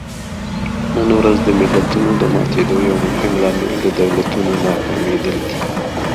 نن ورځ د ملتونو د ماتېدو یو مهم لامل د دولتونو ناکامېدل دي.